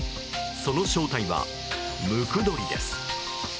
その正体はムクドリです。